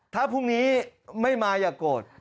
ถ้าพรุ่งนี้ไม่มาอย่าโกรธ